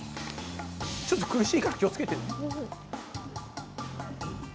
ちょっと苦しいから気を付けてね。